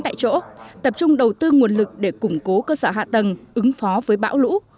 theo phương châm bốn tại chỗ tập trung đầu tư nguồn lực để củng cố cơ sở hạ tầng ứng phó với bão lũ